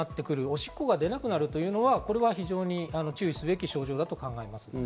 おしっこが出なくなるというのは非常に注意すべき症状だと考えます。